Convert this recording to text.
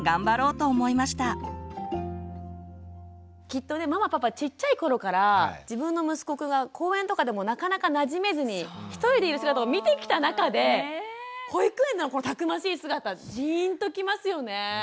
きっとねママパパちっちゃい頃から自分の息子くんが公園とかでもなかなかなじめずに一人でいる姿を見てきた中で保育園のたくましい姿ジーンときますよね。